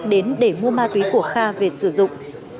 đến để mua ma túy của kha về sử dụng